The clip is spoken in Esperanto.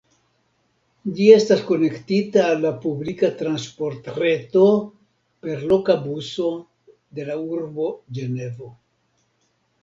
Ĝi estas konektita al la publika transportreto per loka buso de la urbo Ĝenevo.